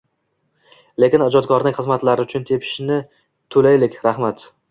Lekin ijodkorning xizmatlari uchun "tepish" ni to'laylik, rahmat